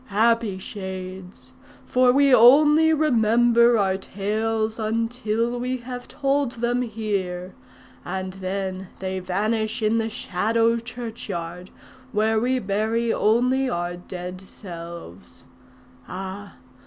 Happy Shades! for we only remember our tales until we have told them here, and then they vanish in the shadow churchyard, where we bury only our dead selves. Ah!